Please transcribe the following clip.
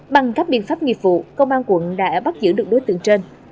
bằng các biện pháp nghiệp vụ công an quận đã bắt giữ được đối tượng trên